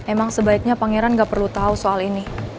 emang sebaiknya pangeran gak perlu tahu soal ini